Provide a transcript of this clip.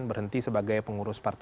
dan berhenti sebagai pengurus